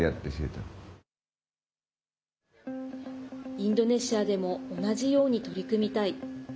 インドネシアでも同じように取り組みたい。